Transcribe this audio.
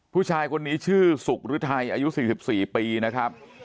ผู้ชายคนนี้ชื่อสุกฤทัยอายุ๔๔ปีนะครับ